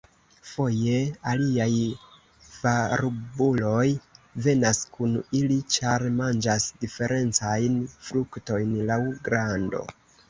Foje aliaj barbuloj venas kun ili, ĉar manĝas diferencajn fruktojn laŭ grando.